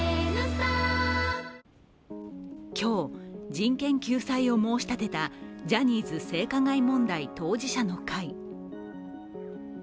今日、人権救済を申し立てたジャニーズ性加害問題当事者の会。